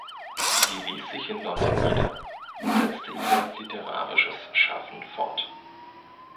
Sie ließ sich in London nieder und setzte ihr literarisches Schaffen fort.